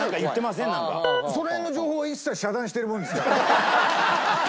その辺の情報は一切遮断してるもんですから。